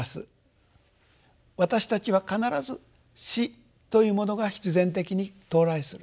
私たちは必ず「死」というものが必然的に到来する。